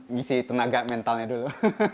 ngisi tenaga mentalnya dulu